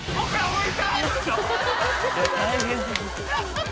大変。